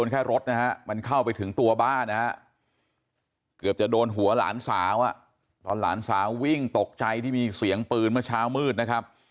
เกือบจะโดนหัวหลานสาวตอนหลานสาววิ่งตกใจที่มีเสียงปืนเมื่อเช้ามืดนะครับ